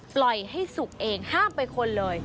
ปล่อยให้สุกเองห้ามไปคนเลย